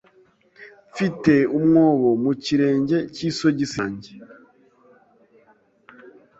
Mfite umwobo mu kirenge cy'isogisi yanjye.